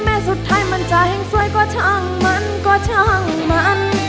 สุดท้ายมันใจแห่งสวยกว่าช่างมันก็ช่างมัน